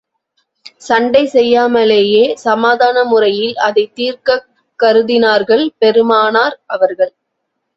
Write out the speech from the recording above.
சண்டை செய்யாமலேயே, சமாதான முறையில் அதைத் தீர்க்கக் கருதினார்கள் பெருமானார் அவர்கள்.